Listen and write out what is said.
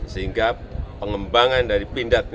sehingga pengembangan dari pindad